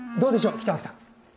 北脇さん。